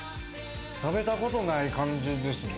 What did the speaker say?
食べたことない感じですね。